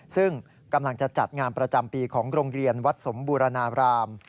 ซึ่งกำลังจะจัดงานประจำปีของโรงเรียนวัดสมบูรณาราม